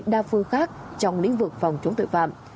đa phương khác trong lĩnh vực phòng chống tội phạm